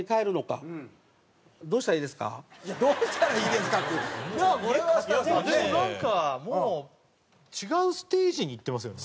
でもなんかもう違うステージにいってますよね。